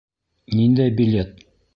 Ниндәй билет?